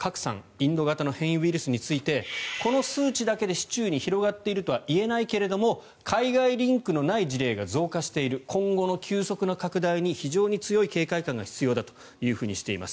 インド型の変異ウイルスについてこの数値だけで市中に広がっているとは言えないけれども海外リンクのない事例が増加している今後の急速な拡大に非常に強い警戒感が必要だとしています。